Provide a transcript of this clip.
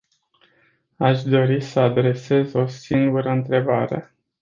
Aș dori să adresez o singură întrebare.